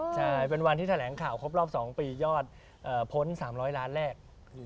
ใช่เป็นวันที่แถลงข่าวครบรอบ๒ปียอดพ้น๓๐๐ล้านแรก